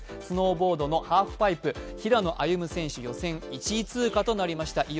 スノーボードのハーフパイプ、平野歩夢選手、予選１位通過となりました。